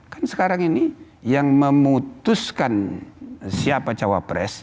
kan sekarang ini yang memutuskan siapa cawapres